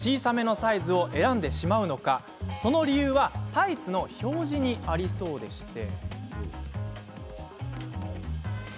では、なぜ小さめのサイズを選んでしまうのかその理由はタイツの表示にありそうでして。